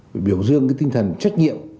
biểu dương tinh thần trách nhiệm